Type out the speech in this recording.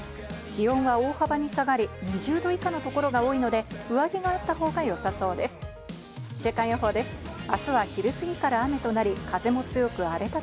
気温は大幅に下がり、２０度以下のところが多いので上着があった